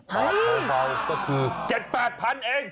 เบาเบาก็คือ๗๘พันเอง